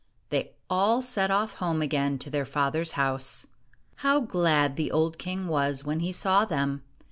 They all set off home again to their father's house. How glad the old king was when he saw them